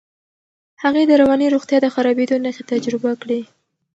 هغې د رواني روغتیا د خرابېدو نښې تجربه کړې.